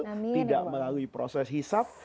tidak melalui proses hisap